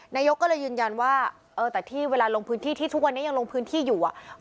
นายกก็เลยยืนยันว่าเออแต่ที่เวลาลงพื้นที่ที่ทุกวันนี้ยังลงพื้นที่อยู่อ่ะ